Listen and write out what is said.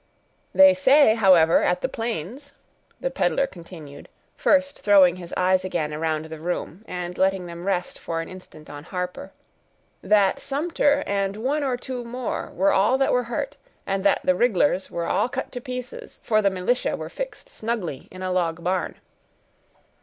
"They say, however, at the Plains," the peddler continued, first throwing his eyes again around the room, and letting them rest for an instant on Harper, "that Sumter and one or two more were all that were hurt, and that the rig'lars were all cut to pieces, for the militia were fixed snugly in a log barn."